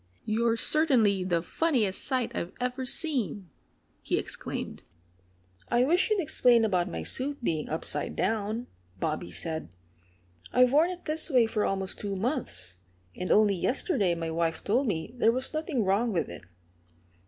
"You're certainly the funniest sight I've ever seen!" he exclaimed. "I wish you'd explain about my suit being upside down," Bobby said. "I've worn it this way for almost two months. And only yesterday my wife told me there was nothing wrong with it."